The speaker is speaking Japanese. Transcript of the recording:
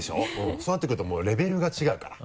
そうなってくるともうレベルが違うから。